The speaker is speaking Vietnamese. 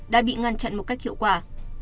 đã bị ngăn chặn một cách hiệu quả